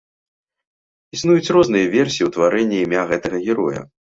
Існуюць розныя версіі ўтварэння імя гэтага героя.